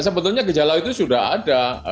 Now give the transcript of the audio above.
sebetulnya gejala itu sudah ada